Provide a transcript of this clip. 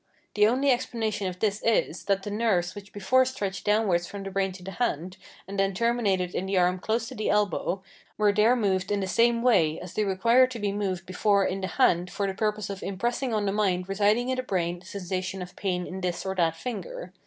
The only explanation of this is, that the nerves which before stretched downwards from the brain to the hand, and then terminated in the arm close to the elbow, were there moved in the same way as they required to be moved before in the hand for the purpose of impressing on the mind residing in the brain the sensation of pain in this or that finger.